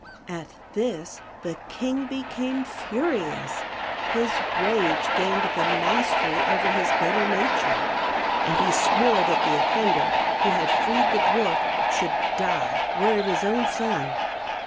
At this the king became furious ; his rage gained ^ the mastery over his better nature, and he swore that the offender who had freed the dwarf should ,,„ die, w r ere it his own son.